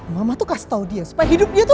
mama tuh kasih tau dia supaya hidup dia tuh